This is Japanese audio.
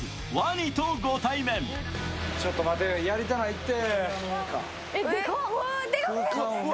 ちょっと待て、やりたないって。